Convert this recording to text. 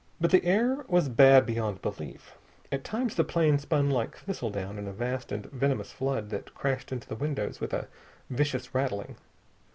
But the air was bad beyond belief. At times the plane spun like thistledown in a vast and venomous flood that crashed into the windows with a vicious rattling.